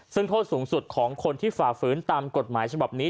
ซึ่งโทษสูงสุดของคนที่ฝ่าฝืนตามกฎหมายฉบับนี้